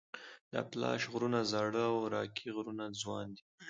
د اپلاش غرونه زاړه او راکي غرونه ځوان دي.